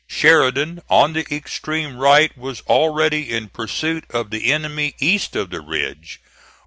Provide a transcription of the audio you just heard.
Sheridan on the extreme right was already in pursuit of the enemy east of the ridge.